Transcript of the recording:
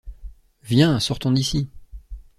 Viens, sortons d’ici.